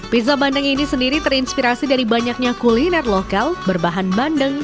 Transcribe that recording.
pizza bandeng ini sendiri terinspirasi dari banyaknya kuliner lokal berbahan bandeng